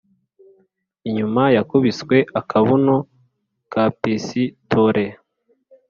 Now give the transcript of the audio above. inyuma yakubiswe akabuno ka pisitole